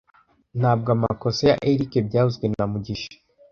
Ntabwo amakosa ya Eric byavuzwe na mugisha